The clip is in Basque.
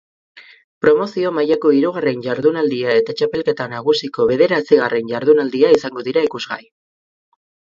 Promozio mailako hirugarren jardunaldia eta txapelketa nagusiko bederatzigarren jardunaldia izango dira ikusgai.